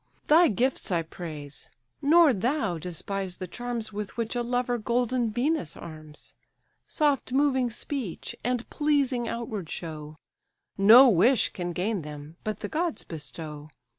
Thy gifts I praise; nor thou despise the charms With which a lover golden Venus arms; Soft moving speech, and pleasing outward show, No wish can gain them, but the gods bestow.